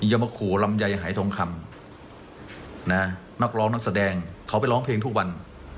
ยมโขลำไยหายทองคำนะนักร้องนักแสดงเขาไปร้องเพลงทุกวัน